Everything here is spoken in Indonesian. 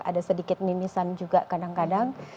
ada sedikit nimisan juga kadang kadang